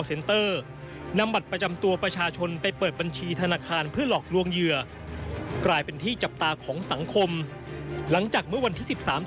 เราติดตามจากรายงานครับ